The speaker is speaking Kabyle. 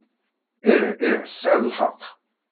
Ih, ih, tesɛiḍ lḥeqq.